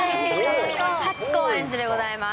初高円寺でございます。